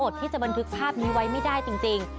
ที่จะบันทึกภาพนี้ไว้ไม่ได้จริง